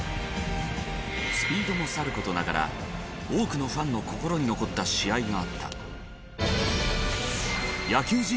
スピードもさることながら多くのファンの心に残った試合があった。